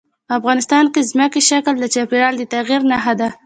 افغانستان کې ځمکنی شکل د چاپېریال د تغیر نښه ده.